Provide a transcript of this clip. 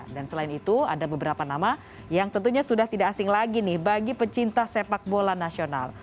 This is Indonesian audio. selain itu ada beberapa nama yang tentunya sudah tidak asing lagi nih bagi pecinta sepak bola nasional